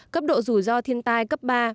cấp độ rủi ro thiên tai cấp ba